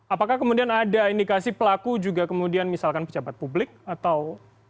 apakah kemudian ada indikasi pelaku juga kemudian misalkan pejabat publik atau